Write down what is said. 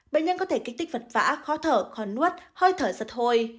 bệnh nhân có thể kích tích vật vã khó thở con nuốt hơi thở giật hôi